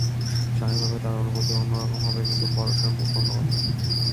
স্বাভাবিকভাবেই তাঁর অনুভূতি অন্য রকম হবে, কিন্তু পরশের মুখে অন্য কথা।